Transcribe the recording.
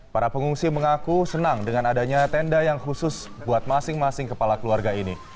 para pengungsi mengaku senang dengan adanya tenda yang khusus buat masing masing kepala keluarga ini